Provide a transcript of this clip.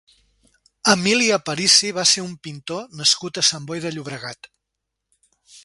Emili Aparici va ser un pintor nascut a Sant Boi de Llobregat.